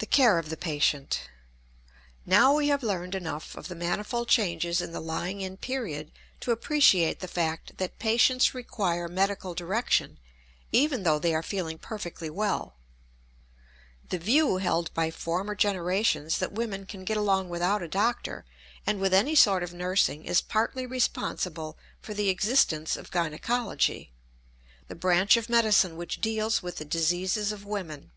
THE CARE OF THE PATIENT. Now we have learned enough of the manifold changes in the lying in period to appreciate the fact that patients require medical direction even though they are feeling perfectly well. The view held by former generations that women can get along without a doctor and with any sort of nursing is partly responsible for the existence of gynecology, the branch of medicine which deals with the diseases of women.